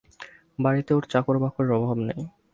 বাড়িতে ওর চাকরবাকরের অভাব নেই।